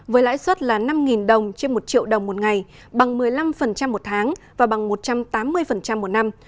với lãi suất là năm đồng trên một triệu đồng một ngày bằng một mươi năm một tháng và bằng một trăm tám mươi một năm